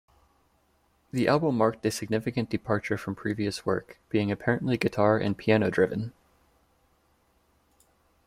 The album marked a significant departure from previous work, being apparently guitar-and piano-driven.